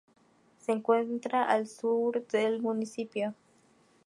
Se encuentra al sur del municipio.